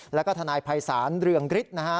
แล้วก็ทนายภัยศาลเรืองฤทธิ์นะฮะ